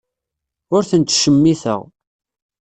Ur ten-ttcemmiteɣ.